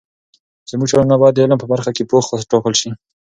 زموږ ټولنه باید د علم په برخه کې پوخ وټاکل سي.